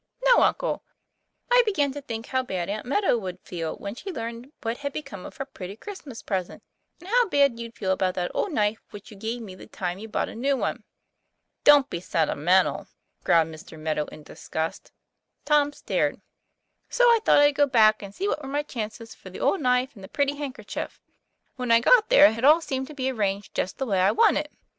"No, uncle; I began to think how bad Aunt Meadow would feel when she learned what had be come of her pretty Christmas present, and how bad you'd feel about that old knife which you gave me the time you bought a new one." "Don't be sentimental," growled Mr. Meadow, in disgust. Tom stared. " So I thought I'd go back, and see what were my chances for the old knife and the pretty handker chief. When I got there, it all seemed to be arranged just the way I wanted it.